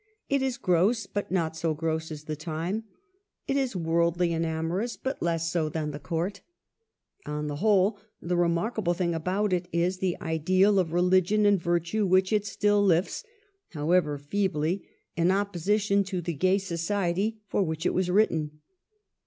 It is gross, but not so gross as the time; it is worldly and amorous, but less so than the Court. On the whole, the rf mark able thing about it is the ideal of religion and virtue which it still lifts, however feebly, in op position to the gay society for which it was written.